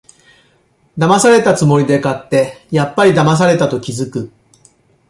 だまされたつもりで買って、やっぱりだまされたと気づく